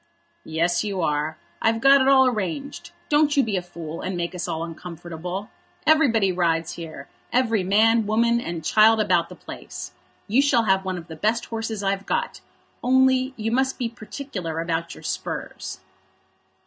"Yes, you are. I've got it all arranged. Don't you be a fool, and make us all uncomfortable. Everybody rides here; every man, woman, and child about the place. You shall have one of the best horses I've got; only you must be particular about your spurs."